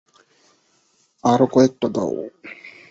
আরও কয়েকটা দেও?